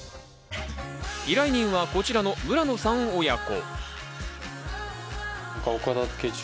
依頼人はこちらの村野さん親子。